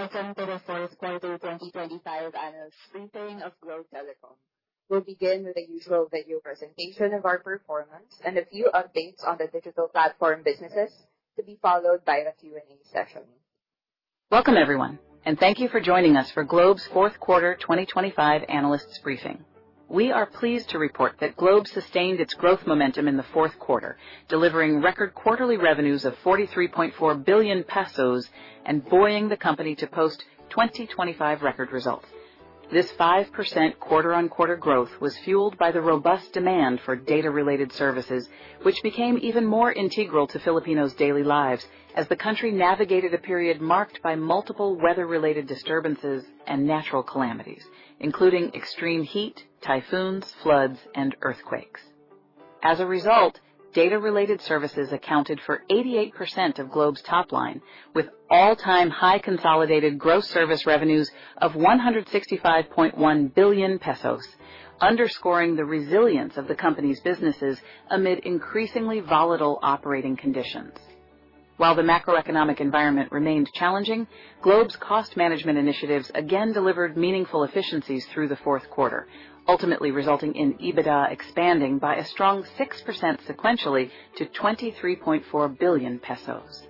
Welcome to the fourth quarter 2025 analyst briefing of Globe Telecom. We'll begin with the usual video presentation of our performance and a few updates on the digital platform businesses, to be followed by a Q&A session. Welcome, everyone, and thank you for joining us for Globe's fourth quarter 2025 analysts briefing. We are pleased to report that Globe sustained its growth momentum in the fourth quarter, delivering record quarterly revenues of 43.4 billion pesos and buoying the company to post 2025 record results. This 5% quarter-on-quarter growth was fueled by the robust demand for data-related services, which became even more integral to Filipinos' daily lives as the country navigated a period marked by multiple weather-related disturbances and natural calamities, including extreme heat, typhoons, floods, and earthquakes. As a result, data-related services accounted for 88% of Globe's top line, with all-time high consolidated gross service revenues of 165.1 billion pesos, underscoring the resilience of the company's businesses amid increasingly volatile operating conditions. While the macroeconomic environment remained challenging, Globe's cost management initiatives again delivered meaningful efficiencies through the fourth quarter, ultimately resulting in EBITDA expanding by a strong 6% sequentially to 23.4 billion pesos.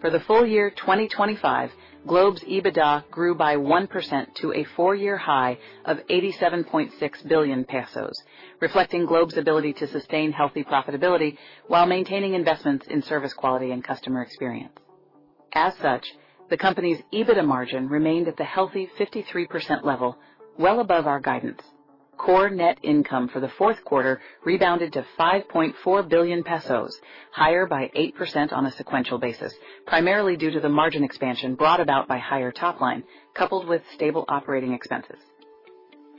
For the full year 2025, Globe's EBITDA grew by 1% to a four year high of 87.6 billion pesos, reflecting Globe's ability to sustain healthy profitability while maintaining investments in service quality and customer experience. As such, the company's EBITDA margin remained at the healthy 53% level, well above our guidance. Core net income for the fourth quarter rebounded to 5.4 billion pesos, higher by 8% on a sequential basis, primarily due to the margin expansion brought about by higher top line, coupled with stable operating expenses.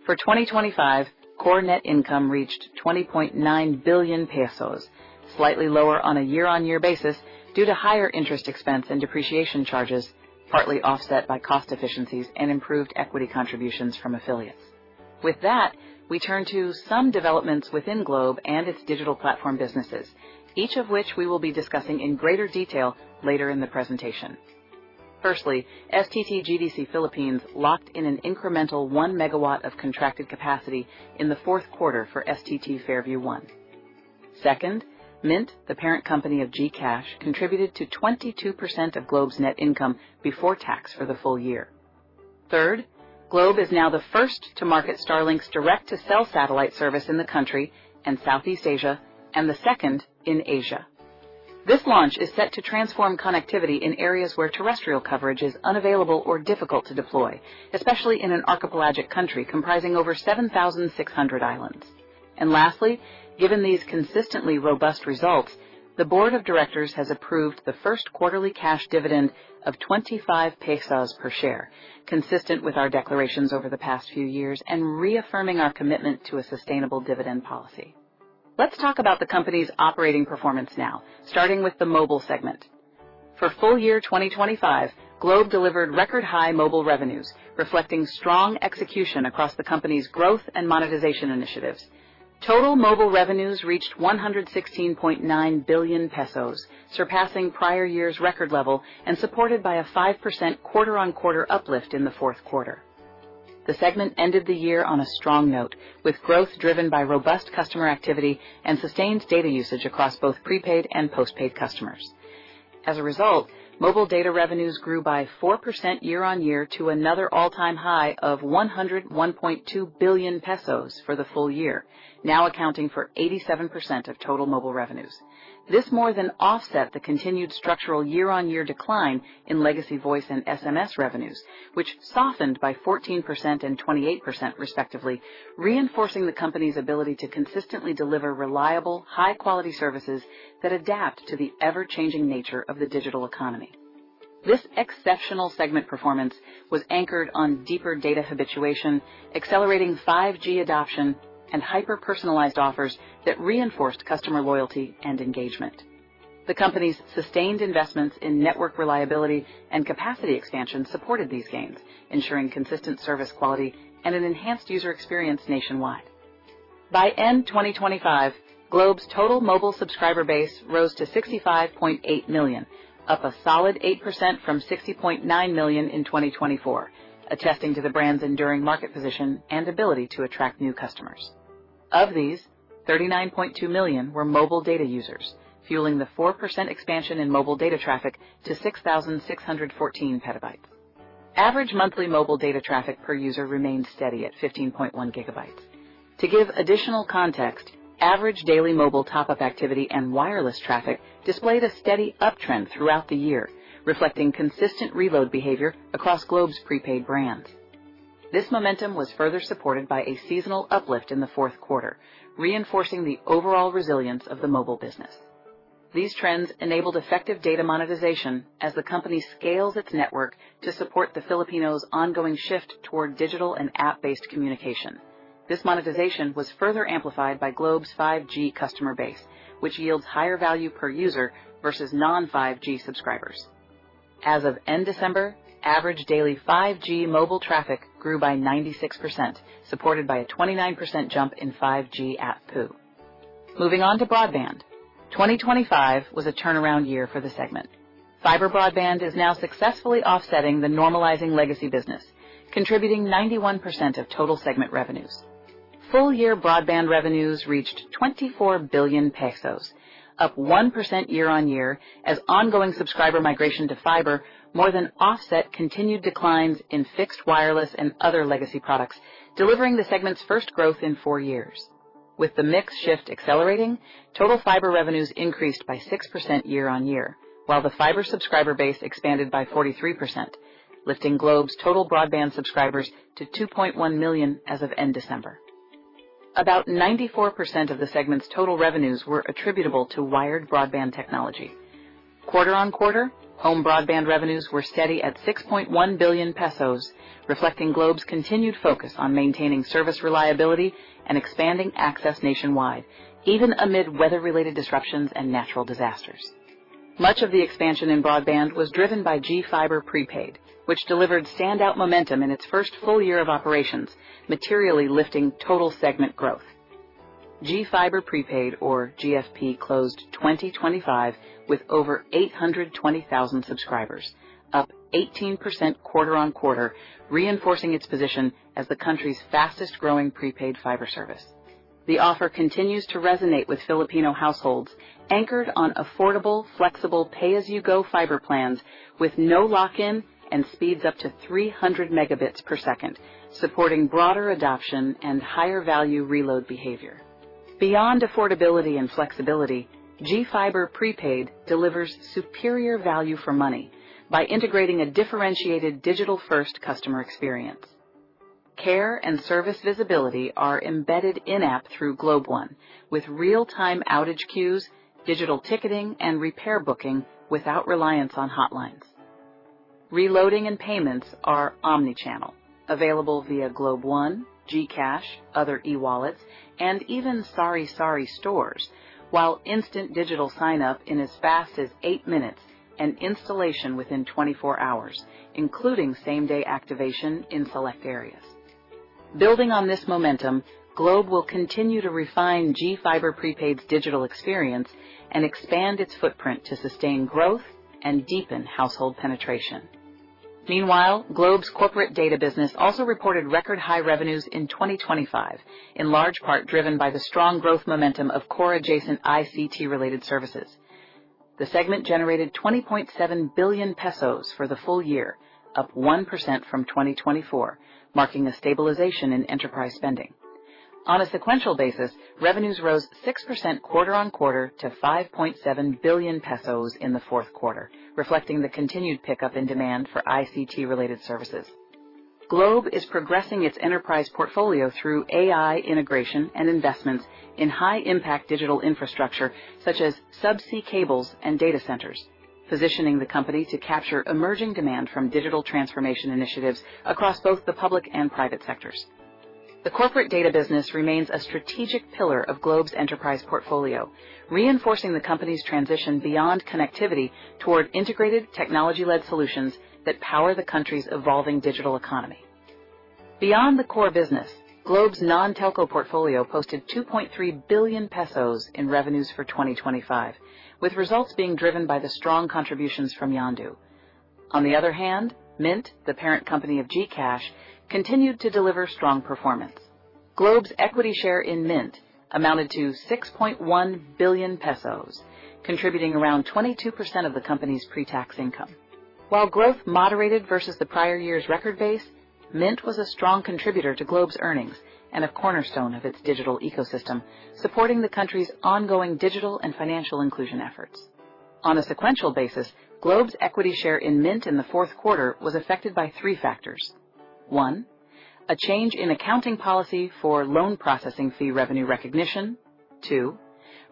For 2025, core net income reached 20.9 billion pesos, slightly lower on a year-on-year basis due to higher interest expense and depreciation charges, partly offset by cost efficiencies and improved equity contributions from affiliates. With that, we turn to some developments within Globe and its digital platform businesses, each of which we will be discussing in greater detail later in the presentation. Firstly, STT GDC Philippines locked in an incremental 1 MW of contracted capacity in the fourth quarter for STT Fairview 1. Second, Mynt, the parent company of GCash, contributed to 22% of Globe's net income before tax for the full year. Third, Globe is now the first to market Starlink's direct-to-cell satellite service in the country and Southeast Asia, and the second in Asia. This launch is set to transform connectivity in areas where terrestrial coverage is unavailable or difficult to deploy, especially in an archipelagic country comprising over 7,600 islands. And lastly, given these consistently robust results, the board of directors has approved the first quarterly cash dividend of 25 pesos per share, consistent with our declarations over the past few years and reaffirming our commitment to a sustainable dividend policy. Let's talk about the company's operating performance now, starting with the mobile segment. For full year 2025, Globe delivered record high mobile revenues, reflecting strong execution across the company's growth and monetization initiatives. Total mobile revenues reached 116.9 billion pesos, surpassing prior year's record level and supported by a 5% quarter-on-quarter uplift in the fourth quarter. The segment ended the year on a strong note, with growth driven by robust customer activity and sustained data usage across both prepaid and postpaid customers. As a result, mobile data revenues grew by 4% year-on-year to another all-time high of 101.2 billion pesos for the full year, now accounting for 87% of total mobile revenues. This more than offset the continued structural year-on-year decline in legacy voice and SMS revenues, which softened by 14% and 28%, respectively, reinforcing the company's ability to consistently deliver reliable, high-quality services that adapt to the ever-changing nature of the digital economy. This exceptional segment performance was anchored on deeper data habituation, accelerating 5G adoption and hyper-personalized offers that reinforced customer loyalty and engagement. The company's sustained investments in network reliability and capacity expansion supported these gains, ensuring consistent service quality and an enhanced user experience nationwide. By end 2025, Globe's total mobile subscriber base rose to 65.8 million, up a solid 8% from 60.9 million in 2024, attesting to the brand's enduring market position and ability to attract new customers. Of these, 39.2 million were mobile data users, fueling the 4% expansion in mobile data traffic to 6,614 PB. Average monthly mobile data traffic per user remained steady at 15.1 GB. To give additional context, average daily mobile top-up activity and wireless traffic displayed a steady uptrend throughout the year, reflecting consistent reload behavior across Globe's prepaid brands. This momentum was further supported by a seasonal uplift in the fourth quarter, reinforcing the overall resilience of the mobile business. These trends enabled effective data monetization as the company scales its network to support the Filipinos' ongoing shift toward digital and app-based communication. This monetization was further amplified by Globe's 5G customer base, which yields higher value per user versus non-5G subscribers. As of end December, average daily 5G mobile traffic grew by 96%, supported by a 29% jump in 5G ARPU. Moving on to broadband. 2025 was a turnaround year for the segment. Fiber broadband is now successfully offsetting the normalizing legacy business, contributing 91% of total segment revenues. Full year broadband revenues reached 24 billion pesos, up 1% year-on-year, as ongoing subscriber migration to fiber more than offset continued declines in fixed, wireless, and other legacy products, delivering the segment's first growth in four years. With the mix shift accelerating, total fiber revenues increased by 6% year-on-year, while the fiber subscriber base expanded by 43%, lifting Globe's total broadband subscribers to 2.1 million as of end December. About 94% of the segment's total revenues were attributable to wired broadband technology. Quarter-on-quarter, home broadband revenues were steady at 6.1 billion pesos, reflecting Globe's continued focus on maintaining service reliability and expanding access nationwide, even amid weather-related disruptions and natural disasters. Much of the expansion in broadband was driven by GFiber Prepaid, which delivered standout momentum in its first full year of operations, materially lifting total segment growth. GFiber Prepaid, or GFP, closed 2025 with over 820,000 subscribers, up 18% quarter-on-quarter, reinforcing its position as the country's fastest growing prepaid fiber service. The offer continues to resonate with Filipino households, anchored on affordable, flexible, pay-as-you-go fiber plans with no lock-in and speeds up to 300 Mbps, supporting broader adoption and higher value reload behavior. Beyond affordability and flexibility, GFiber Prepaid delivers superior value for money by integrating a differentiated digital-first customer experience. Care and service visibility are embedded in-app through GlobeOne, with real-time outage queues, digital ticketing, and repair booking without reliance on hotlines. Reloading and payments are omni-channel, available via GlobeOne, GCash, other e-wallets, and even sari-sari stores, while instant digital sign-up in as fast as 8 minutes and installation within 24 hours, including same-day activation in select areas. Building on this momentum, Globe will continue to refine GFiber Prepaid's digital experience and expand its footprint to sustain growth and deepen household penetration. Meanwhile, Globe's corporate data business also reported record high revenues in 2025, in large part driven by the strong growth momentum of core adjacent ICT-related services. The segment generated 20.7 billion pesos for the full year, up 1% from 2024, marking a stabilization in enterprise spending. On a sequential basis, revenues rose 6% quarter-on-quarter to 5.7 billion pesos in the fourth quarter, reflecting the continued pickup in demand for ICT-related services. Globe is progressing its enterprise portfolio through AI integration and investments in high-impact digital infrastructure such as subsea cables and data centers, positioning the company to capture emerging demand from digital transformation initiatives across both the public and private sectors. The corporate data business remains a strategic pillar of Globe's enterprise portfolio, reinforcing the company's transition beyond connectivity toward integrated, technology-led solutions that power the country's evolving digital economy. Beyond the core business, Globe's non-telco portfolio posted 2.3 billion pesos in revenues for 2025, with results being driven by the strong contributions from Yondu. On the other hand, Mynt, the parent company of GCash, continued to deliver strong performance. Globe's equity share in Mynt amounted to 6.1 billion pesos, contributing around 22% of the company's pre-tax income. While growth moderated versus the prior year's record base, Mynt was a strong contributor to Globe's earnings and a cornerstone of its digital ecosystem, supporting the country's ongoing digital and financial inclusion efforts. On a sequential basis, Globe's equity share in Mynt in the fourth quarter was affected by three factors. One, a change in accounting policy for loan processing fee revenue recognition. Two,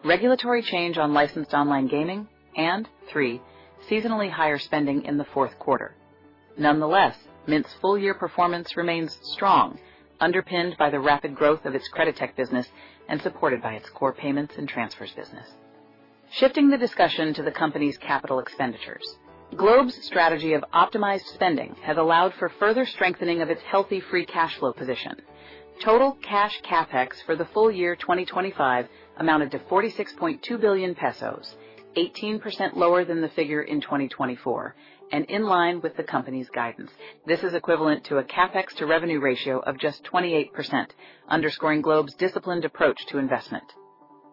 regulatory change on licensed online gaming. And three, seasonally higher spending in the fourth quarter. Nonetheless, Mynt's full year performance remains strong, underpinned by the rapid growth of its credit tech business and supported by its core payments and transfers business. Shifting the discussion to the company's capital expenditures. Globe's strategy of optimized spending has allowed for further strengthening of its healthy free cash flow position. Total cash CapEx for the full year 2025 amounted to 46.2 billion pesos, 18% lower than the figure in 2024 and in line with the company's guidance. This is equivalent to a CapEx to revenue ratio of just 28%, underscoring Globe's disciplined approach to investment.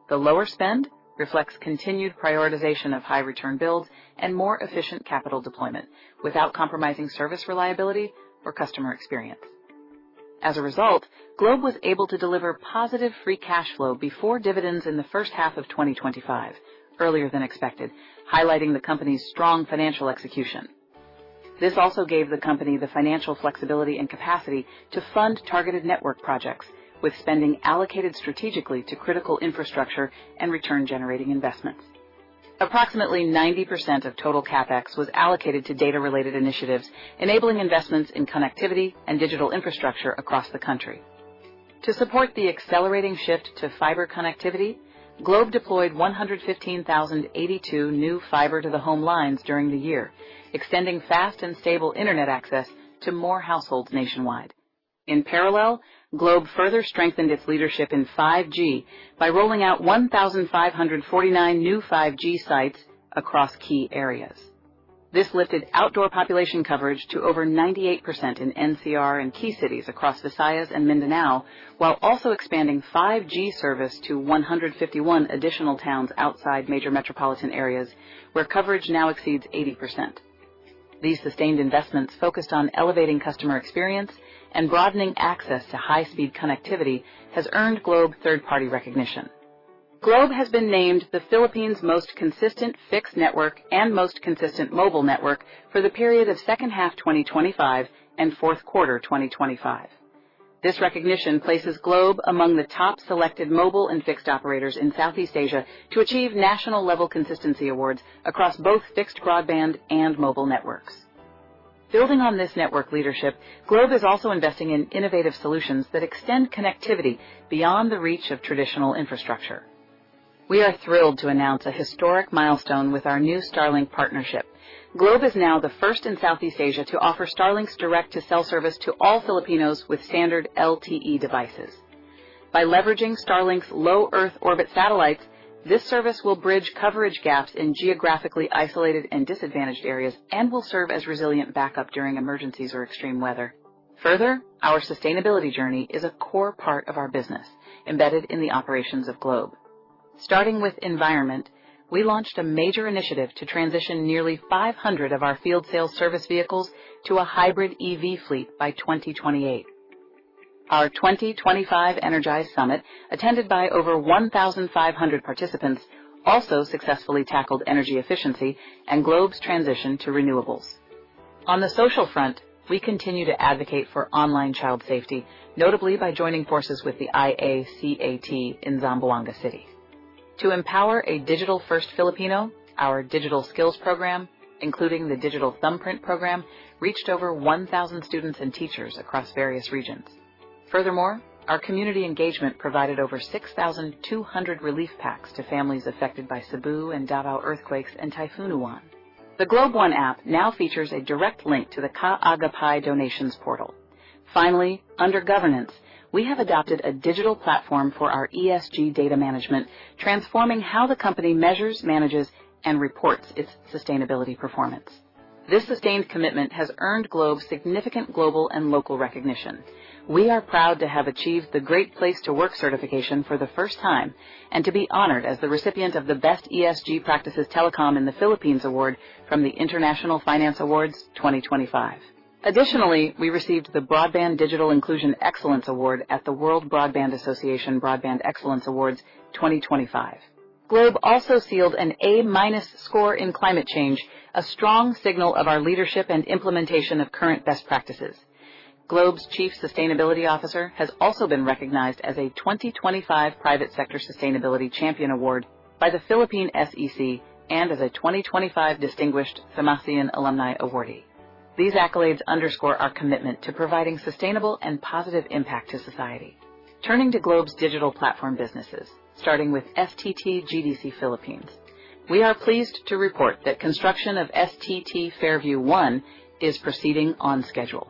The lower spend reflects continued prioritization of high return builds and more efficient capital deployment without compromising service, reliability, or customer experience. As a result, Globe was able to deliver positive free cash flow before dividends in the first half of 2025, earlier than expected, highlighting the company's strong financial execution. This also gave the company the financial flexibility and capacity to fund targeted network projects, with spending allocated strategically to critical infrastructure and return-generating investments. Approximately 90% of total CapEx was allocated to data-related initiatives, enabling investments in connectivity and digital infrastructure across the country. To support the accelerating shift to fiber connectivity, Globe deployed 115,082 new fiber to the home lines during the year, extending fast and stable internet access to more households nationwide....In parallel, Globe further strengthened its leadership in 5G by rolling out 1,549 new 5G sites across key areas. This lifted outdoor population coverage to over 98% in NCR and key cities across Visayas and Mindanao, while also expanding 5G service to 151 additional towns outside major metropolitan areas, where coverage now exceeds 80%. These sustained investments, focused on elevating customer experience and broadening access to high-speed connectivity, has earned Globe third-party recognition. Globe has been named the Philippines' Most Consistent Fixed Network and Most Consistent Mobile Network for the period of second half 2025 and fourth quarter 2025. This recognition places Globe among the top selected mobile and fixed operators in Southeast Asia to achieve national-level consistency awards across both fixed broadband and mobile networks. Building on this network leadership, Globe is also investing in innovative solutions that extend connectivity beyond the reach of traditional infrastructure. We are thrilled to announce a historic milestone with our new Starlink partnership. Globe is now the first in Southeast Asia to offer Starlink's direct-to-cell service to all Filipinos with standard LTE devices. By leveraging Starlink's low Earth orbit satellites, this service will bridge coverage gaps in geographically isolated and disadvantaged areas and will serve as resilient backup during emergencies or extreme weather. Further, our sustainability journey is a core part of our business, embedded in the operations of Globe. Starting with environment, we launched a major initiative to transition nearly 500 of our field sales service vehicles to a hybrid EV fleet by 2028. Our 2025 Energize Summit, attended by over 1,500 participants, also successfully tackled energy efficiency and Globe's transition to renewables. On the social front, we continue to advocate for online child safety, notably by joining forces with the IACAT in Zamboanga City. To empower a digital-first Filipino, our digital skills program, including the Digital Thumbprint program, reached over 1,000 students and teachers across various regions. Furthermore, our community engagement provided over 6,200 relief packs to families affected by Cebu and Davao earthquakes and Typhoon Ulan. The Globe One app now features a direct link to the Ka Agapay donations portal. Finally, under governance, we have adopted a digital platform for our ESG data management, transforming how the company measures, manages, and reports its sustainability performance. This sustained commitment has earned Globe significant global and local recognition. We are proud to have achieved the Great Place to Work certification for the first time and to be honored as the recipient of the Best ESG Practices Telecom in the Philippines award from the International Finance Awards 2025. Additionally, we received the Broadband Digital Inclusion Excellence Award at the World Broadband Association Broadband Excellence Awards 2025. Globe also sealed an A- score in climate change, a strong signal of our leadership and implementation of current best practices. Globe's Chief Sustainability Officer has also been recognized as a 2025 Private Sector Sustainability Champion Award by the Philippine SEC and as a 2025 Distinguished Tomasian Alumni awardee. These accolades underscore our commitment to providing sustainable and positive impact to society. Turning to Globe's digital platform businesses, starting with STT GDC Philippines, we are pleased to report that construction of STT Fairview 1 is proceeding on schedule.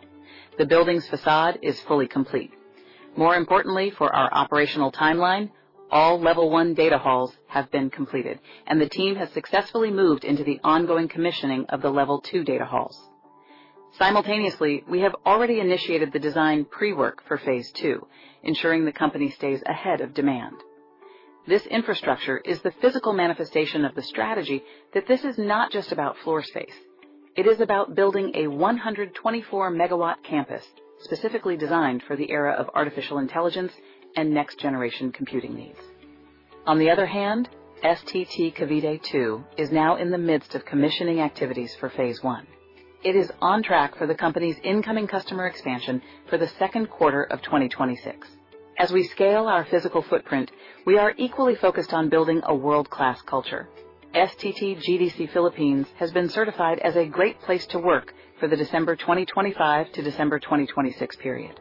The building's facade is fully complete. More importantly, for our operational timeline, all level 1 data halls have been completed and the team has successfully moved into the ongoing commissioning of the level 2 data halls. Simultaneously, we have already initiated the design pre-work for phase two, ensuring the company stays ahead of demand. This infrastructure is the physical manifestation of the strategy that this is not just about floor space. It is about building a 124 MW campus specifically designed for the era of artificial intelligence and next-generation computing needs. On the other hand, STT Cavite 2 is now in the midst of commissioning activities for phase one. It is on track for the company's incoming customer expansion for the second quarter of 2026. As we scale our physical footprint, we are equally focused on building a world-class culture. STT GDC Philippines has been certified as a great place to work for the December 2025 to December 2026 period.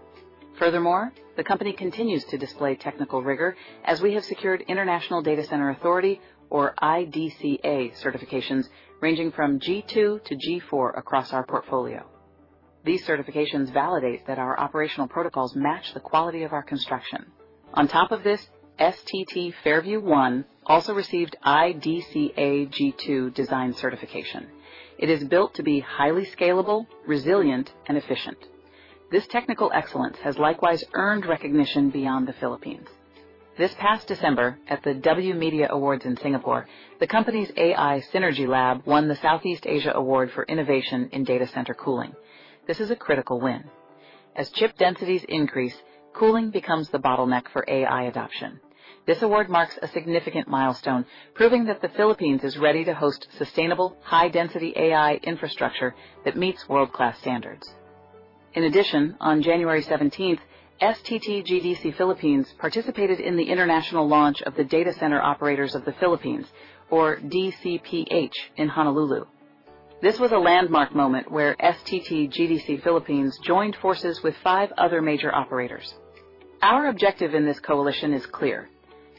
Furthermore, the company continues to display technical rigor as we have secured International Data Center Authority, or IDCA, certifications ranging from G2 to G4 across our portfolio. These certifications validate that our operational protocols match the quality of our construction. On top of this, STT Fairview 1 also received IDCA G2 design certification. It is built to be highly scalable, resilient, and efficient. This technical excellence has likewise earned recognition beyond the Philippines. This past December, at the W Media Awards in Singapore, the company's AI Synergy Lab won the Southeast Asia Award for Innovation in Data Center Cooling. This is a critical win. As chip densities increase, cooling becomes the bottleneck for AI adoption. This award marks a significant milestone, proving that the Philippines is ready to host sustainable, high-density AI infrastructure that meets world-class standards. In addition, on January seventeenth, STT GDC Philippines participated in the international launch of the Data Center Operators of the Philippines, or DCPH, in Honolulu. This was a landmark moment where STT GDC Philippines joined forces with 5 other major operators. Our objective in this coalition is clear: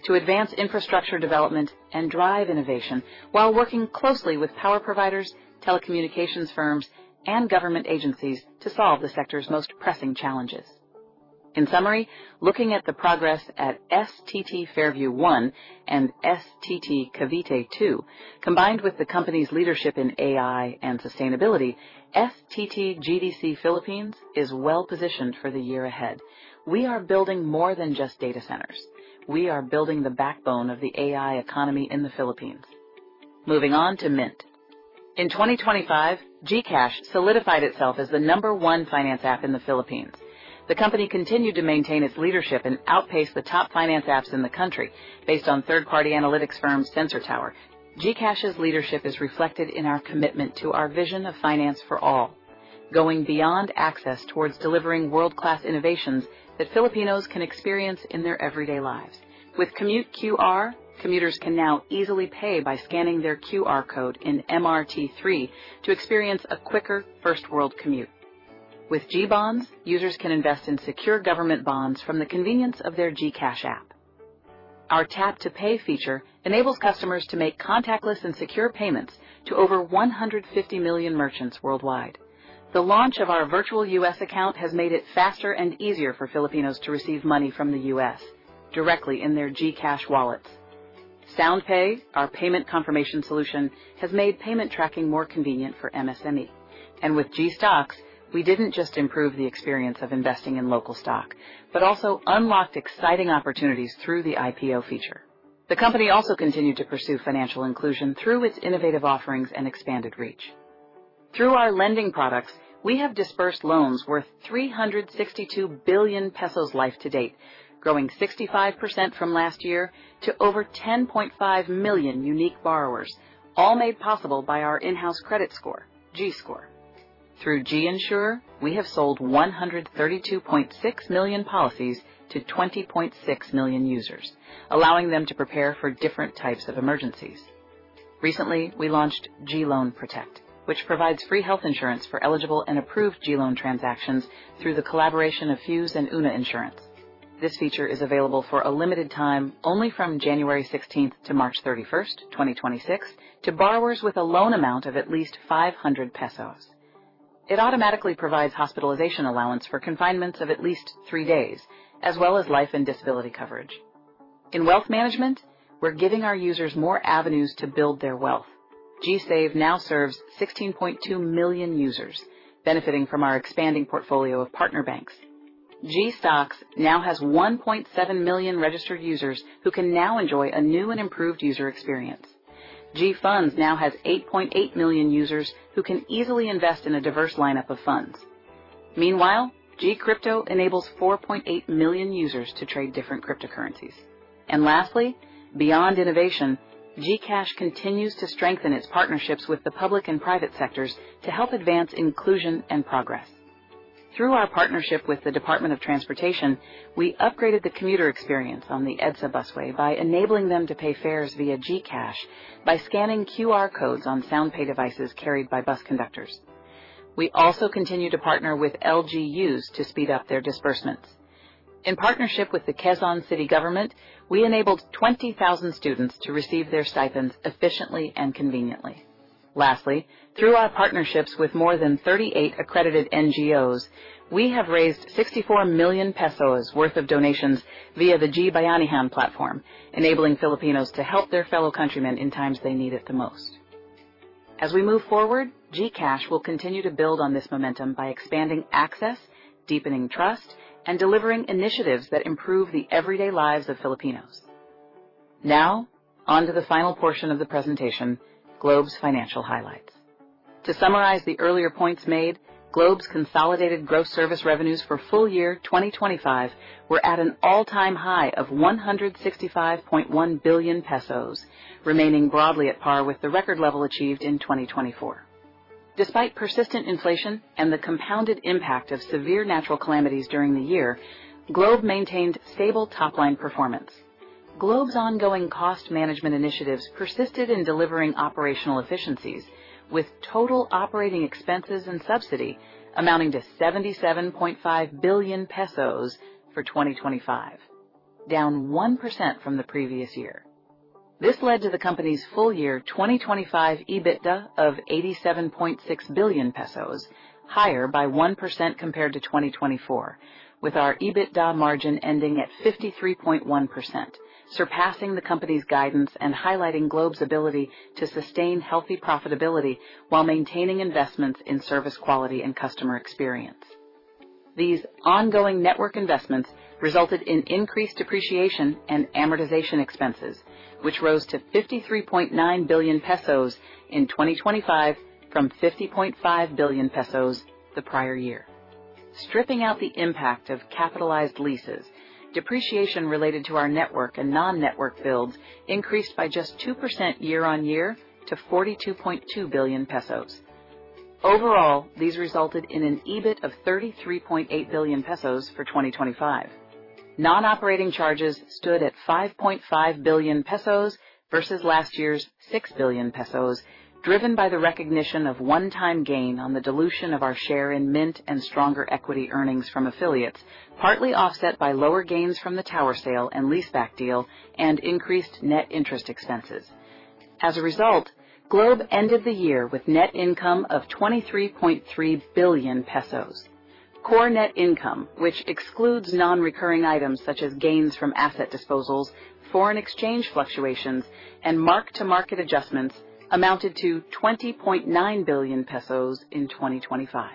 to advance infrastructure development and drive innovation while working closely with power providers, telecommunications firms, and government agencies to solve the sector's most pressing challenges. In summary, looking at the progress at STT Fairview One and STT Cavite Two, combined with the company's leadership in AI and sustainability, STT GDC Philippines is well-positioned for the year ahead. We are building more than just data centers. We are building the backbone of the AI economy in the Philippines. Moving on to Mynt. In 2025, GCash solidified itself as the No. 1 finance app in the Philippines. The company continued to maintain its leadership and outpace the top finance apps in the country based on third-party analytics firm Sensor Tower. GCash's leadership is reflected in our commitment to our vision of finance for all, going beyond access towards delivering world-class innovations that Filipinos can experience in their everyday lives. With Commute QR, commuters can now easily pay by scanning their QR code in MRT-3 to experience a quicker first-world commute. With GBonds, users can invest in secure government bonds from the convenience of their GCash app. Our Tap-to-Pay feature enables customers to make contactless and secure payments to over 150 million merchants worldwide. The launch of our virtual U.S. account has made it faster and easier for Filipinos to receive money from the U.S. directly in their GCash wallets. SoundPay, our payment confirmation solution, has made payment tracking more convenient for MSME. With GStocks, we didn't just improve the experience of investing in local stock, but also unlocked exciting opportunities through the IPO feature. The company also continued to pursue financial inclusion through its innovative offerings and expanded reach. Through our lending products, we have disbursed loans worth 362 billion pesos life to date, growing 65% from last year to over 10.5 million unique borrowers, all made possible by our in-house credit score, GScore. Through GInsure, we have sold 132.6 million policies to 20.6 million users, allowing them to prepare for different types of emergencies. Recently, we launched GLoan Protect, which provides free health insurance for eligible and approved GLoan transactions through the collaboration of Fuse and Oona Insurance. This feature is available for a limited time only from January 16 to March 31, 2026, to borrowers with a loan amount of at least 500 pesos. It automatically provides hospitalization allowance for confinements of at least 3 days, as well as life and disability coverage. In wealth management, we're giving our users more avenues to build their wealth. GSave now serves 16.2 million users, benefiting from our expanding portfolio of partner banks. GStocks now has 1.7 million registered users who can now enjoy a new and improved user experience. GFunds now has 8.8 million users who can easily invest in a diverse lineup of funds. Meanwhile, GCrypto enables 4.8 million users to trade different cryptocurrencies. And lastly, beyond innovation, GCash continues to strengthen its partnerships with the public and private sectors to help advance inclusion and progress. Through our partnership with the Department of Transportation, we upgraded the commuter experience on the EDSA Busway by enabling them to pay fares via GCash by scanning QR codes on SoundPay devices carried by bus conductors. We also continue to partner with LGUs to speed up their disbursements. In partnership with the Quezon City government, we enabled 20,000 students to receive their stipends efficiently and conveniently. Lastly, through our partnerships with more than 38 accredited NGOs, we have raised 64 million pesos worth of donations via the GBayanihan platform, enabling Filipinos to help their fellow countrymen in times they need it the most. As we move forward, GCash will continue to build on this momentum by expanding access, deepening trust, and delivering initiatives that improve the everyday lives of Filipinos. Now, on to the final portion of the presentation, Globe's financial highlights. To summarize the earlier points made, Globe's consolidated gross service revenues for full year 2025 were at an all-time high of 165.1 billion pesos, remaining broadly at par with the record level achieved in 2024. Despite persistent inflation and the compounded impact of severe natural calamities during the year, Globe maintained stable top-line performance. Globe's ongoing cost management initiatives persisted in delivering operational efficiencies, with total operating expenses and subsidy amounting to 77.5 billion pesos for 2025, down 1% from the previous year. This led to the company's full year 2025 EBITDA of 87.6 billion pesos, higher by 1% compared to 2024, with our EBITDA margin ending at 53.1%, surpassing the company's guidance and highlighting Globe's ability to sustain healthy profitability while maintaining investments in service, quality, and customer experience. These ongoing network investments resulted in increased depreciation and amortization expenses, which rose to 53.9 billion pesos in 2025 from 50.5 billion pesos the prior year. Stripping out the impact of capitalized leases, depreciation related to our network and non-network builds increased by just 2% year-on-year to 42.2 billion pesos. Overall, these resulted in an EBIT of 33.8 billion pesos for 2025. Non-operating charges stood at 5.5 billion pesos versus last year's 6 billion pesos, driven by the recognition of one-time gain on the dilution of our share in Mynt and stronger equity earnings from affiliates, partly offset by lower gains from the tower sale and leaseback deal and increased net interest expenses. As a result, Globe ended the year with net income of 23.3 billion pesos. Core net income, which excludes non-recurring items such as gains from asset disposals, foreign exchange fluctuations, and mark-to-market adjustments, amounted to 20.9 billion pesos in 2025.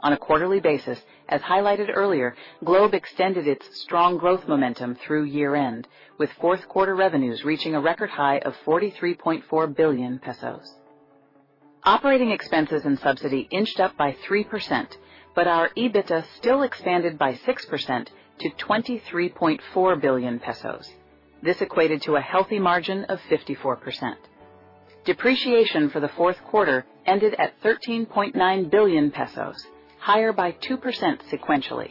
On a quarterly basis, as highlighted earlier, Globe extended its strong growth momentum through year-end, with fourth quarter revenues reaching a record high of 43.4 billion pesos. Operating expenses and subsidy inched up by 3%, but our EBITDA still expanded by 6% to 23.4 billion pesos. This equated to a healthy margin of 54%. Depreciation for the fourth quarter ended at 13.9 billion pesos, higher by 2% sequentially.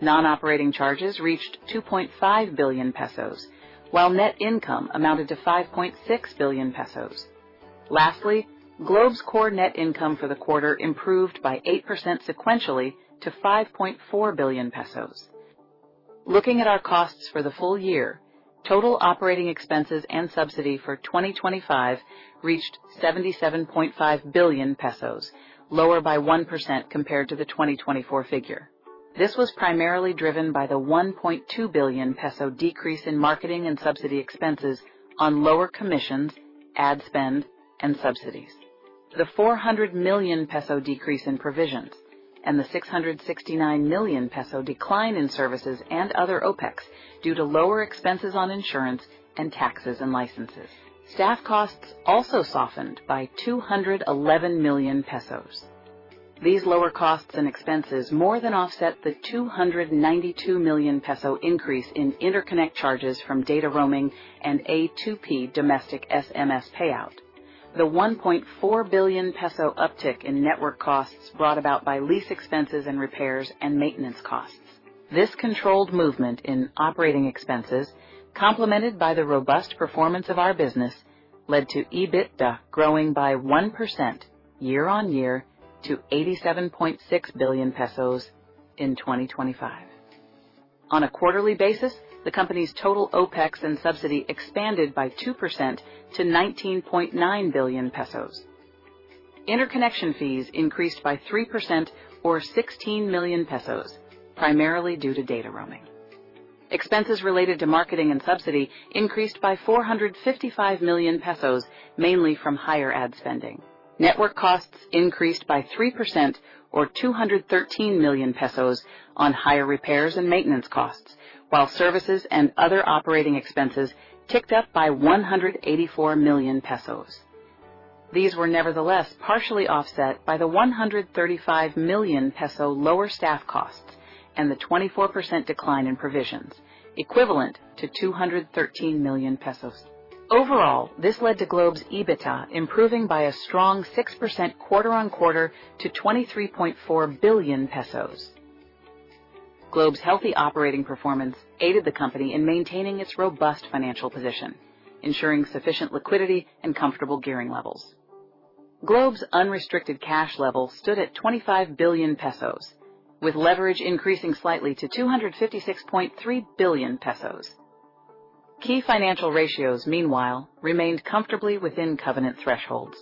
Non-operating charges reached 2.5 billion pesos, while net income amounted to 5.6 billion pesos. Lastly, Globe's core net income for the quarter improved by 8% sequentially to 5.4 billion pesos. Looking at our costs for the full year, total operating expenses and subsidy for 2025 reached 77.5 billion pesos, lower by 1% compared to the 2024 figure. This was primarily driven by the 1.2 billion peso decrease in marketing and subsidy expenses on lower commissions, ad spend, and subsidies. The 400 million peso decrease in provisions and the 669 million peso decline in services and other OpEx, due to lower expenses on insurance and taxes and licenses. Staff costs also softened by 211 million pesos. These lower costs and expenses more than offset the 292 million peso increase in interconnect charges from data roaming and A2P domestic SMS payout. The 1.4 billion peso uptick in network costs brought about by lease expenses and repairs and maintenance costs. This controlled movement in operating expenses, complemented by the robust performance of our business, led to EBITDA growing by 1% year-on-year to PHP 87.6 billion in 2025. On a quarterly basis, the company's total OpEx and subsidy expanded by 2% to 19.9 billion pesos. Interconnection fees increased by 3% or 16 million pesos, primarily due to data roaming. Expenses related to marketing and subsidy increased by 455 million pesos, mainly from higher ad spending. Network costs increased by 3% or 213 million pesos on higher repairs and maintenance costs, while services and other operating expenses ticked up by 184 million pesos. These were nevertheless partially offset by the 135 million peso lower staff costs and the 24% decline in provisions, equivalent to 213 million pesos. Overall, this led to Globe's EBITDA improving by a strong 6% quarter-on-quarter to 23.4 billion pesos. Globe's healthy operating performance aided the company in maintaining its robust financial position, ensuring sufficient liquidity and comfortable gearing levels. Globe's unrestricted cash level stood at 25 billion pesos, with leverage increasing slightly to 256.3 billion pesos. Key financial ratios, meanwhile, remained comfortably within covenant thresholds.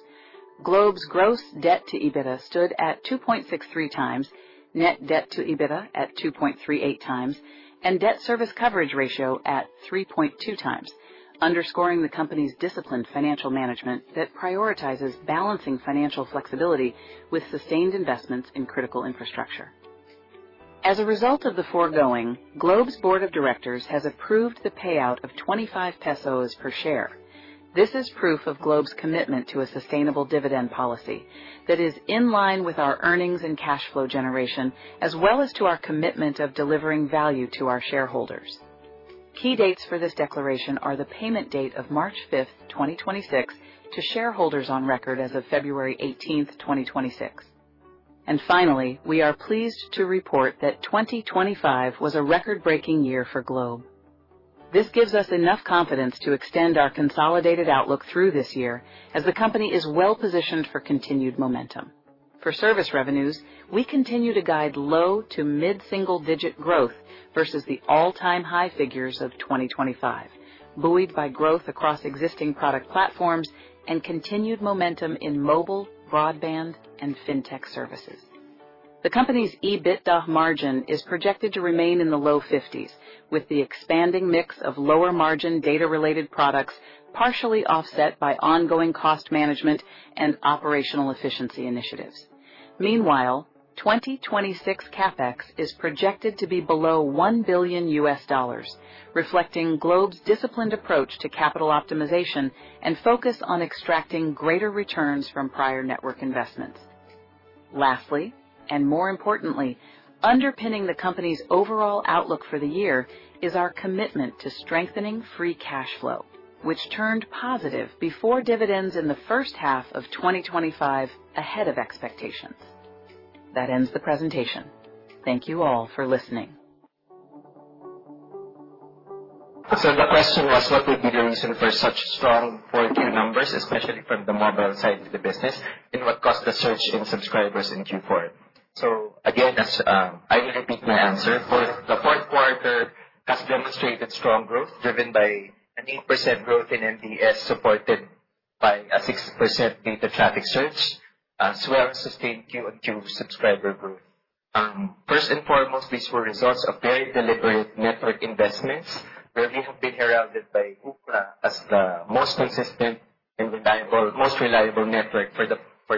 Globe's gross debt to EBITDA stood at 2.63 times, net debt to EBITDA at 2.38 times, and debt service coverage ratio at 3.2 times, underscoring the company's disciplined financial management that prioritizes balancing financial flexibility with sustained investments in critical infrastructure. As a result of the foregoing, Globe's board of directors has approved the payout of 25 pesos per share. This is proof of Globe's commitment to a sustainable dividend policy that is in line with our earnings and cash flow generation, as well as to our commitment of delivering value to our shareholders. Key dates for this declaration are the payment date of March 5, 2026, to shareholders on record as of February 18, 2026. Finally, we are pleased to report that 2025 was a record-breaking year for Globe. This gives us enough confidence to extend our consolidated outlook through this year as the company is well positioned for continued momentum. For service revenues, we continue to guide low- to mid-single-digit growth versus the all-time high figures of 2025, buoyed by growth across existing product platforms and continued momentum in mobile, broadband, and fintech services. The company's EBITDA margin is projected to remain in the low 50s%, with the expanding mix of lower margin data-related products, partially offset by ongoing cost management and operational efficiency initiatives. Meanwhile, 2026 CapEx is projected to be below $1 billion, reflecting Globe's disciplined approach to capital optimization and focus on extracting greater returns from prior network investments.... lastly, and more importantly, underpinning the company's overall outlook for the year is our commitment to strengthening free cash flow, which turned positive before dividends in the first half of 2025 ahead of expectations. That ends the presentation. Thank you all for listening. So the question was, what would be the reason for such strong fourth Q numbers, especially from the mobile side of the business, and what caused the surge in subscribers in Q4? So again, that's, I will repeat my answer. For the fourth quarter has demonstrated strong growth, driven by an 8% growth in MDS, supported by a 6% data traffic surge, as well as sustained Q on Q subscriber growth. First and foremost, these were results of very deliberate network investments, where we have been heralded by Ookla as the most consistent and reliable, most reliable network for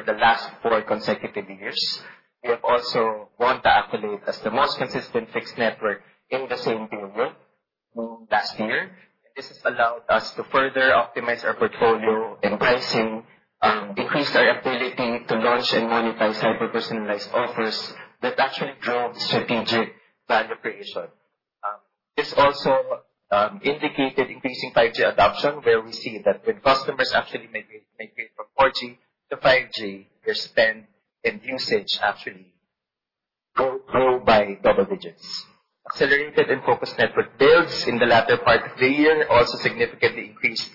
the last four consecutive years. We have also won the accolade as the most consistent fixed network in the same period last year, and this has allowed us to further optimize our portfolio and pricing, increase our ability to launch and monetize hyper-personalized offers that actually drove strategic value creation. This also indicated increasing 5G adoption, where we see that when customers actually migrate from 4G to 5G, their spend and usage actually grow by double digits. Accelerated and focused network builds in the latter part of the year also significantly increased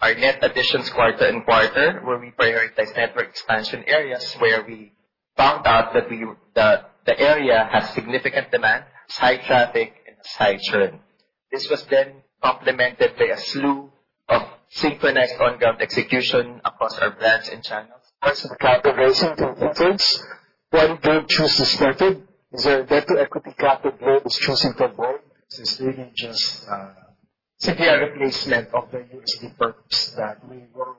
our net additions quarter-over-quarter, where we prioritize network expansion areas, where we found out that the area has significant demand, high traffic and high churn. This was then complemented by a slew of synchronized on-ground execution across our brands and channels. As the capital raising through debt, why did you choose to start it? Is there a debt-to-equity capital growth you're choosing to avoid? This is really just simply a replacement of the USD perp that we were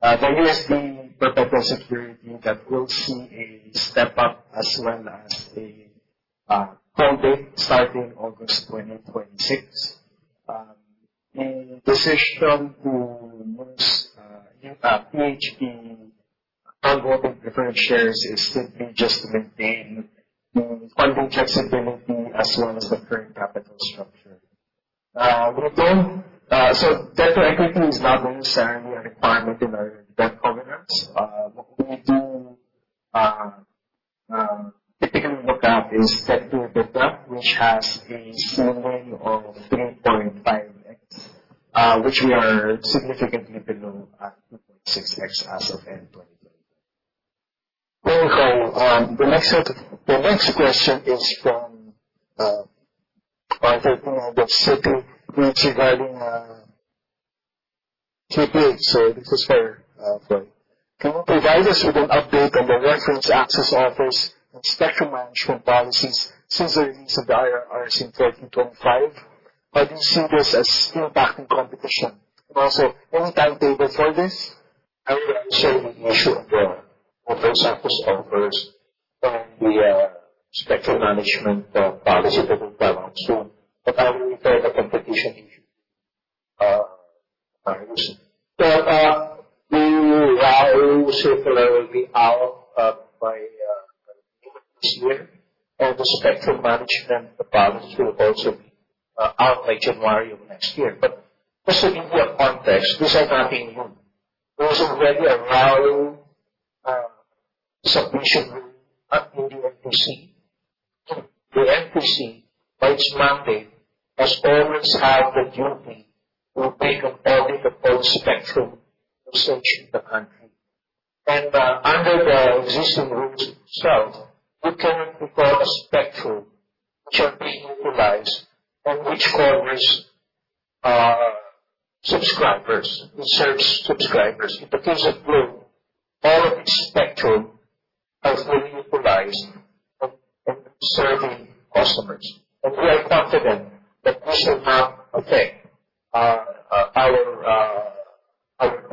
the USD perpetual security that will see a step up as well as a call date starting August 2026. The decision to use PHP convertible preferred shares is simply just to maintain the funding flexibility as well as the current capital structure. We don't. So debt to equity is not necessarily a requirement in our debt covenants. What we do typically look at is debt to EBITDA, which has a ceiling of 3.5x, which we are significantly below at 2.6x as of end 2023. Very well. The next question is from Arthur Nuno of CP, which regarding KPH. So this is for Floyd. Can you provide us with an update on the work range access offers and spectrum management policies since the release of the IRR in 2025? How do you see this as impacting competition? And also, any timetable for this? I will answer the issue of the office access offers and the spectrum management policy that will come out soon, but I will refer the competition issue to Darius. So, the circular will be out by this year, and the spectrum management policy will also be out by January of next year. But just to give you a context, these are nothing new. There was already a wide submission rule up in the NTC. The NTC, by its mandate, has always had a duty to take a policy about spectrum resources in the country. And, under the existing rules itself, you cannot deploy a spectrum which are being utilized and which covers subscribers and serves subscribers. In the case of Globe, all of its spectrum has been utilized on serving customers, and we are confident that this will not affect our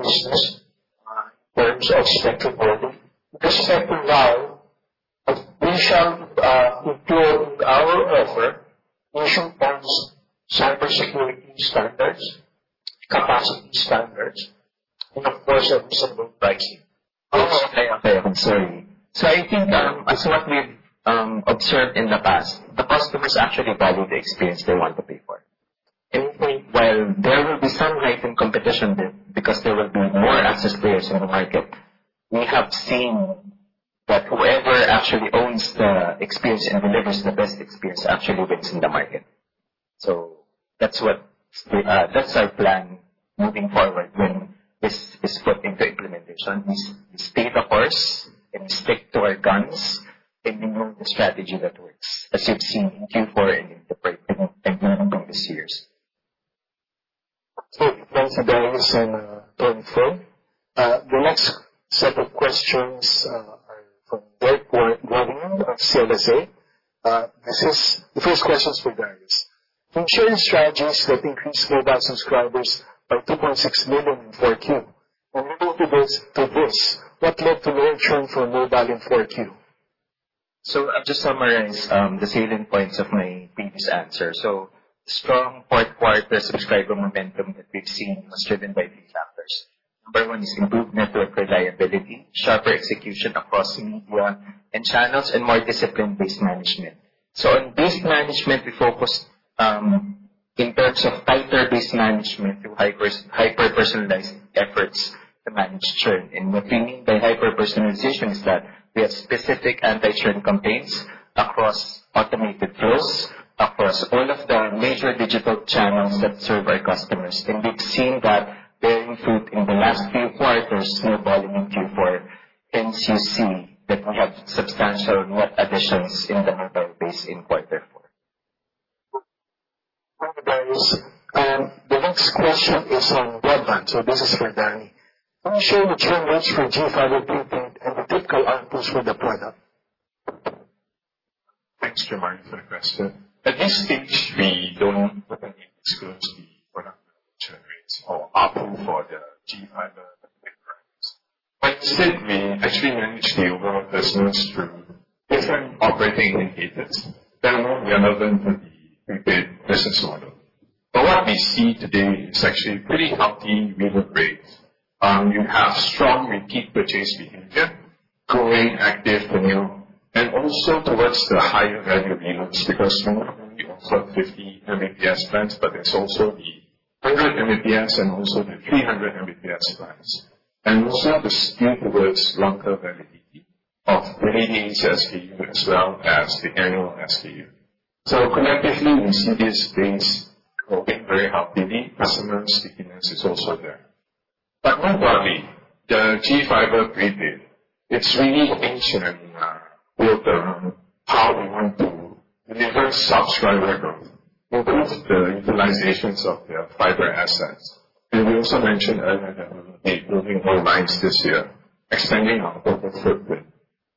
business in terms of spectrum building. The spectrum now, we shall deploy our offer. We shall force cybersecurity standards, capacity standards, and of course, reasonable pricing. Okay. Okay, I'm sorry. So I think, as what we've observed in the past, the customers actually value the experience they want to pay for. And we think while there will be some heightened competition there, because there will be more access players in the market, we have seen that whoever actually owns the experience and delivers the best experience actually wins in the market. So that's what, that's our plan moving forward when this is put into implementation, is stay the course and stick to our guns, and we know the strategy that works, as you've seen in Q4 and the previous years. Okay, thanks, Darius and Tony. The next set of questions are from Derek Wong of CLSA. This is the first question for Darius. Can you share your strategies that increased mobile subscribers by 2.6 million in 4Q? And we will do this, do this. What led to the growth from mobile in 4Q?... So I'll just summarize the salient points of my previous answer. Strong fourth quarter subscriber momentum that we've seen was driven by these factors. Number 1 is improved network reliability, sharper execution across media and channels, and more disciplined base management. On base management, we focused in terms of tighter base management through hyper, hyper-personalized efforts to manage churn. And what we mean by hyper-personalization is that we have specific anti-churn campaigns across automated flows, across all of the major digital channels that serve our customers. And we've seen that bearing fruit in the last few quarters, snowballing in Q4, hence you see that we have substantial net additions in the mobile base in quarter four. Okay, guys. The next question is on broadband. This is for Danny. Can you share the churn rates for G Fiber Prepaid, and the typical ARPU for the product? Thanks, Jermaine, for the question. At this stage, we don't openly disclose the product churn rates or ARPU for the GFiber Prepaid plans. But instead, we actually manage the overall business through different operating indicators that are more relevant to the prepaid business model. But what we see today is actually pretty healthy renewal rates. You have strong repeat purchase behavior, growing active premium, and also towards the higher value renewals. Because not only we offer 50 Mbps plans, but there's also the 100 Mbps and also the 300 Mbps plans. And also the skew towards longer validity of 20 days SKU, as well as the annual SKU. So collectively, we see these things going very healthily. Customer stickiness is also there. But more broadly, the GFiber Prepaid, it's really engineered and built around how we want to deliver subscriber growth, improve the utilizations of their fiber assets. And we also mentioned earlier that we will be moving more lines this year, extending our total footprint.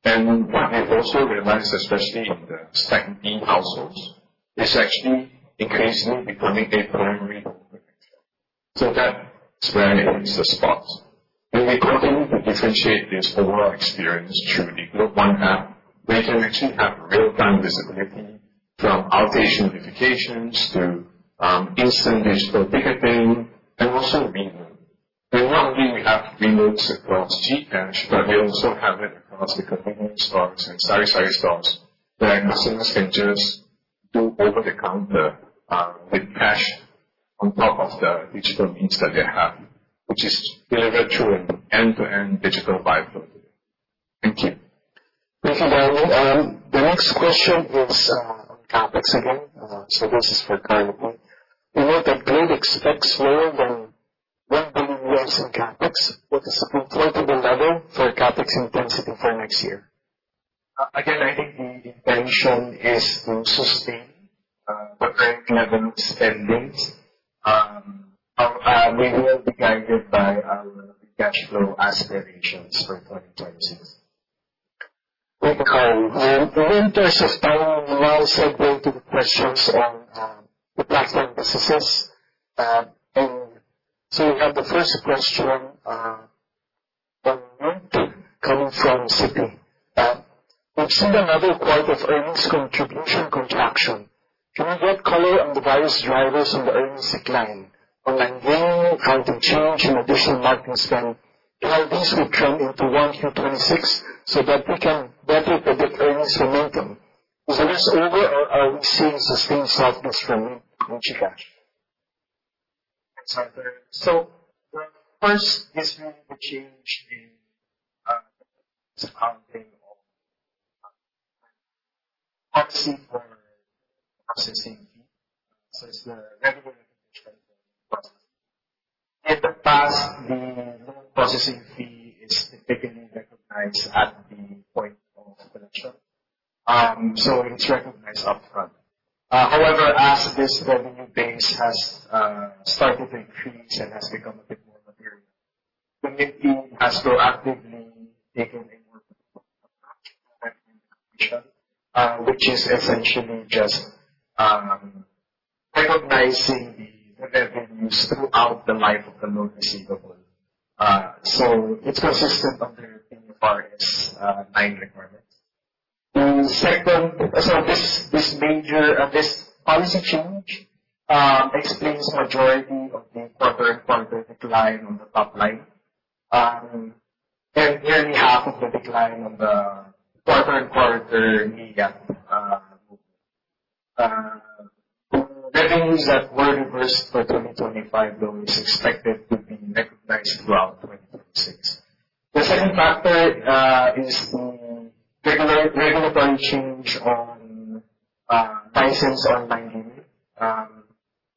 And what we've also realized, especially in the Seg-B households, is actually increasingly becoming a primary broadband. So that's where it hits the spot. And we continue to differentiate this overall experience through the GlobeOne app, where you can actually have real-time visibility from outage notifications to instant digital ticketing and also renewal. And not only we have renewals across GApp, but we also have it across the convenience stores and sari-sari stores, where customers can just do over-the-counter with cash on top of the digital means that they have, which is delivered through an end-to-end digital buyer flow. Thank you. Thank you, Danny. The next question is on CapEx again. So this is for Carlo P. We note that Globe expects more than $1 billion in CapEx. What is the comfortable level for CapEx intensity for next year? Again, I think the intention is to sustain the current level of spending. We will be guided by our cash flow aspirations for 2026. Thank you, Carlo. In terms of time, we now segue to the questions on the platform businesses. So we have the first question on Mynt coming from CP. We've seen another quarter of earnings contribution contraction. Can you give color on the various drivers on the earnings decline, online gaming, account of change, and additional marketing spend? And how this would trend into 1Q26, so that we can better predict earnings momentum. Is the risk over, or are we seeing sustained softness from Mynt in GCash?... So first, this change in accounting policy for processing fee. So it's the revenue recognition processing. In the past, the loan processing fee is typically recognized at the point of collection. So it's recognized upfront. However, as this revenue base has started to increase and has become a bit more material, the Mynt team has proactively taken a more, which is essentially just, recognizing the revenues throughout the life of the loan receivable. So it's consistent under the IFRS 9 requirements. The second... So this, this major, this policy change, explains the majority of the quarter-over-quarter decline on the top line, and nearly half of the decline of the quarter-over-quarter EBITDA. Revenues that were reversed for 2025, though, is expected to be recognized throughout 2026. The second factor is the regular regulatory change on licensed online gaming.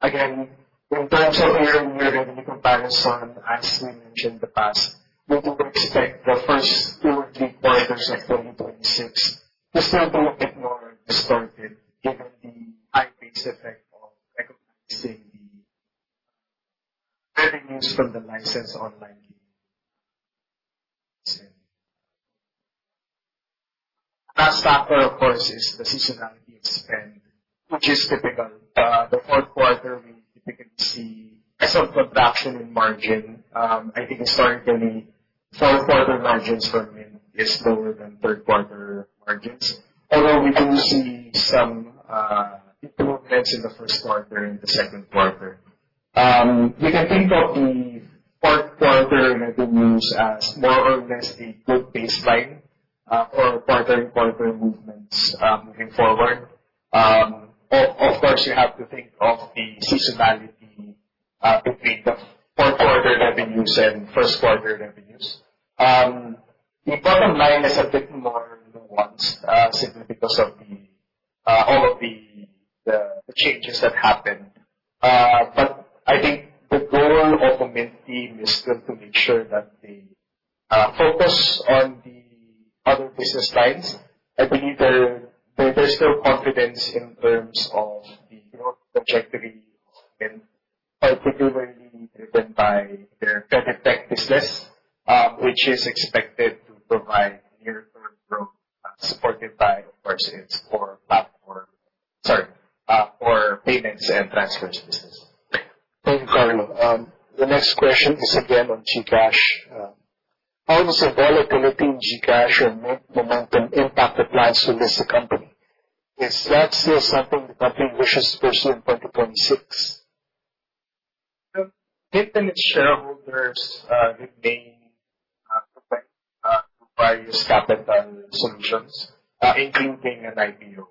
Again, in terms of year-on-year revenue comparison, as we mentioned in the past, we do expect the first four quarters of 2026 to still be distorted, given the high base effect of recognizing the revenues from the licensed online gaming. Last factor, of course, is the seasonality, which is typical. The fourth quarter, we typically see some contraction in margin. I think historically, fourth quarter margins for Mynt are lower than third quarter margins, although we do see some improvements in the first quarter and the second quarter. You can think of the fourth quarter revenues as more or less a good baseline for quarter and quarter movements moving forward. Of course, you have to think of the seasonality between the fourth quarter revenues and first quarter revenues. The bottom line is a bit more nuanced, simply because of all of the changes that happened. But I think the goal of the Mynt team is still to make sure that they focus on the other business lines. I believe there's still confidence in terms of the growth trajectory and particularly driven by their credit tech business, which is expected to provide near-term growth, supported by, of course, its core platform... Sorry, core payments and transfers business. Thank you, Carlo. The next question is again on GCash. How does the volatility in GCash and momentum impact the plans to list the company? Is that still something the company wishes to pursue in 2026? The independent shareholders remain open to various capital solutions, including an IPO.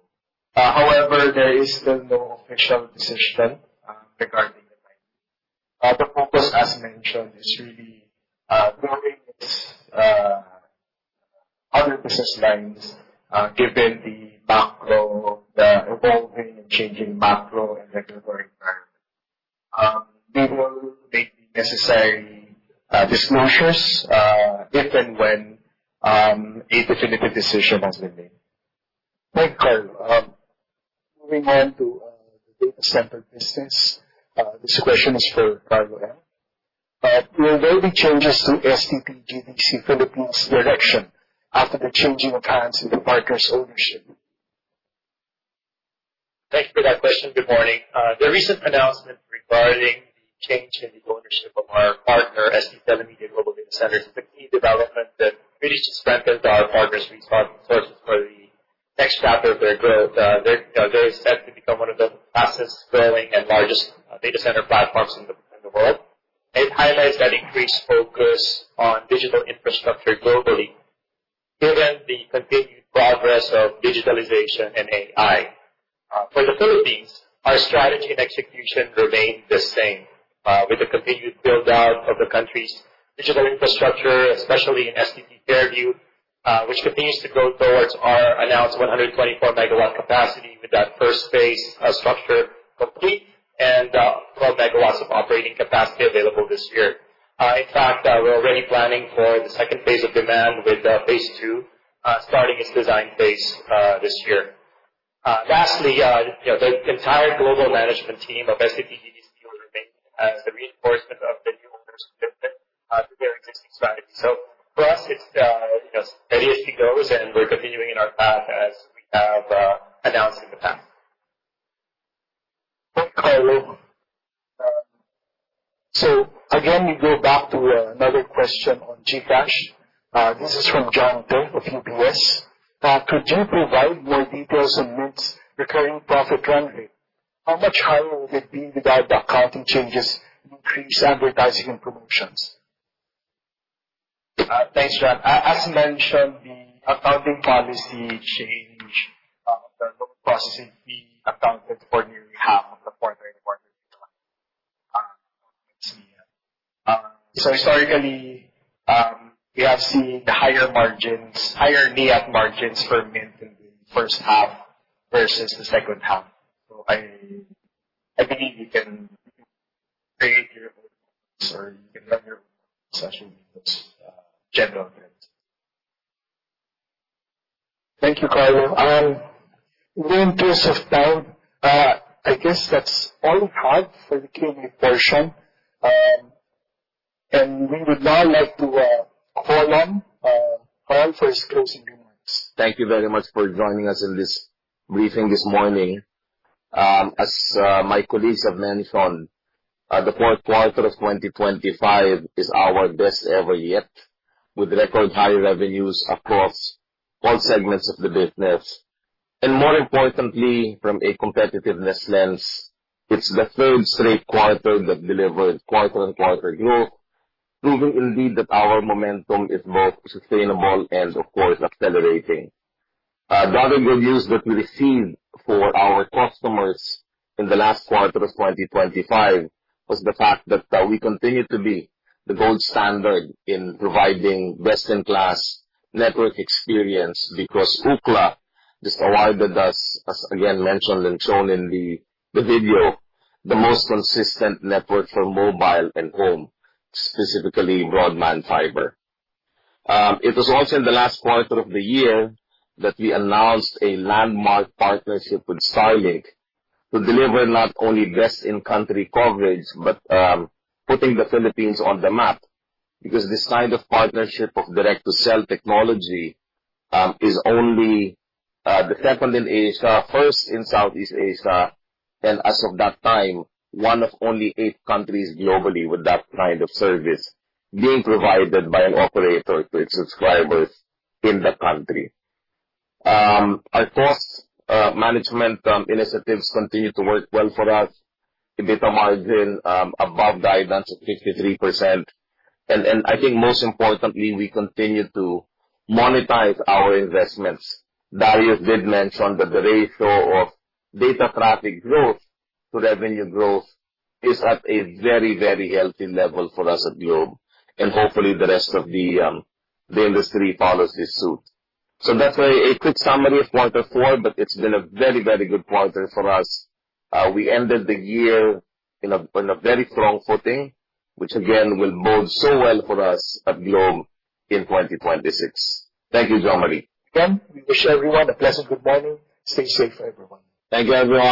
However, there is still no official decision regarding an IPO. The focus, as mentioned, is really growing this other business lines, given the macro, the evolving and changing macro and regulatory environment. We will make the necessary disclosures if and when a definitive decision has been made. Thank you, Carlo. Moving on to, the data center business. This question is for Carlo Malana. Will there be changes to STT GDC Philippines' direction after the changing of hands in the partner's ownership? Thanks for that question. Good morning. The recent announcement regarding the change in the ownership of our partner, ST Telemedia Global Data Centres, is a key development that really strengthens our partner's resources for the next chapter of their growth. They are set to become one of the fastest growing and largest data center platforms in the world. It highlights that increased focus on digital infrastructure globally, given the continued progress of digitalization and AI. For the Philippines, our strategy and execution remain the same, with the continued build-out of the country's digital infrastructure, especially in STT Fairview, which continues to grow towards our announced 124 MW capacity, with that first phase structure complete and 12 MW of operating capacity available this year. In fact, we're already planning for the second phase of demand, with phase two starting its design phase this year. Lastly, you know, the entire global management team of STT GDC will remain as the reinforcement of the new owner's commitment to their existing strategy. So for us, it's, you know, steady as she goes, and we're continuing in our path as we have announced in the past. Thank you, Carlo. So again, we go back to, another question on GCash. This is from John Doe of UBS. Could you provide more details on Mint's recurring profit run rate? How much higher would it be without the accounting changes, increased advertising, and promotions? Thanks, John. As mentioned, the accounting policy change, the processes being accounted for nearly half of the quarter in quarter three. So historically, we have seen higher margins, higher net margins for Mynt in the first half versus the second half. So I believe you can create your or you can run your session with general trends. Thank you, Carlo. We're in terms of time, I guess that's all we have for the Q&A portion. And we would now like to call on Carl for his closing remarks. Thank you very much for joining us in this briefing this morning. As my colleagues have mentioned, the fourth quarter of 2025 is our best ever yet, with record high revenues across all segments of the business. More importantly, from a competitiveness lens, it's the third straight quarter that delivered quarter-on-quarter growth, proving indeed that our momentum is both sustainable and, of course, accelerating. The other good news that we received for our customers in the last quarter of 2025 was the fact that we continue to be the gold standard in providing best-in-class network experience, because Ookla just awarded us, as again mentioned and shown in the video, the most consistent network for mobile and home, specifically broadband fiber. It was also in the last quarter of the year that we announced a landmark partnership with Starlink to deliver not only best in-country coverage, but putting the Philippines on the map. Because this kind of partnership of direct-to-cell technology is only the second in Asia, first in Southeast Asia, and as of that time, one of only eight countries globally with that kind of service being provided by an operator to its subscribers in the country. Our cost management initiatives continue to work well for us. EBITDA margin above guidance of 53%. And I think most importantly, we continue to monetize our investments. Darius did mention that the ratio of data traffic growth to revenue growth is at a very, very healthy level for us at Globe, and hopefully, the rest of the industry follows this suit. That's a quick summary of quarter four, but it's been a very, very good quarter for us. We ended the year on a very strong footing, which again, will bode so well for us at Globe in 2026. Thank you, Jose Mari. Again, we wish everyone a pleasant good morning. Stay safe, everyone. Thank you, everyone.